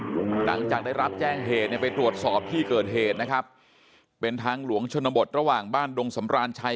หลังจากได้รับแจ้งเหตุเนี่ยไปตรวจสอบที่เกิดเหตุนะครับเป็นทางหลวงชนบทระหว่างบ้านดงสำราญชัย